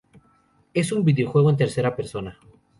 Es un videojuego en tercera persona.